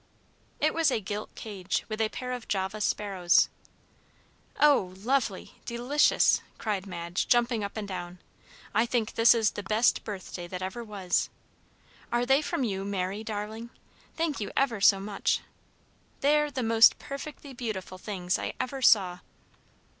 It was a gilt cage, with a pair of Java sparrows. "Oh, lovely! delicious!" cried Madge, jumping up and down. "I think this is the best birthday that ever was! Are they from you, Mary, darling? Thank you ever so much! They are the most perfectly beautiful things I ever saw."